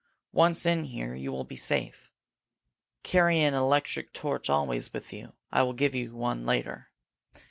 Once in here, you will be safe. Carry an electric torch always with you. I will give you one later.